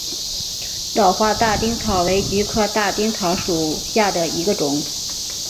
早花大丁草为菊科大丁草属下的一个种。